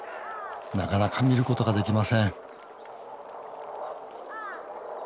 なかなか見ることができません